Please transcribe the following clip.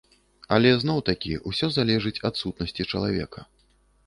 Але зноў-такі, усё залежыць ад сутнасці чалавека.